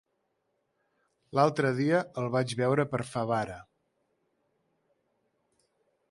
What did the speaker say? L'altre dia el vaig veure per Favara.